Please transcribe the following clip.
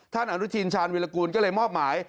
ท่านอันตุธินชาญวิรากูลก็เลยมอบหมาย